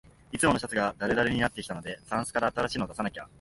いつものシャツがだるだるになってきたので、タンスから新しいの出さなきゃ